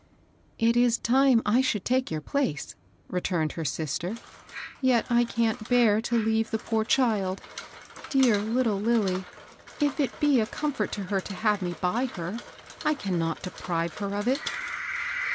'*^^ It is time I should take your place," returned her sister ;yet I can't bear to leave the poor child. Dear little Lilly I if it be a comfort to her to have me by her, I cannot deprive her of it.'